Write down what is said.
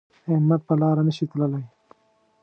احمد په لاره نشي تللی